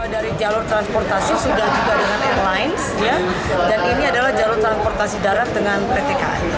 dari jalur transportasi sudah juga dengan airlines dan ini adalah jalur transportasi darat dengan pt kai